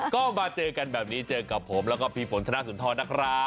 ก็มาเจอกันแบบนี้เจอกับผมแล้วก็พี่ผนท์ทนาสนทรหนักร้า